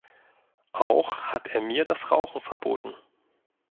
Auch hat er mir das Rauchen verboten.